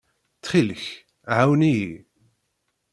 Ttxil-k, ɛawen-iyi!